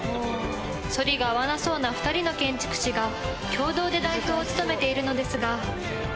反りが合わなそうな２人の建築士が共同で代表を務めているのですが。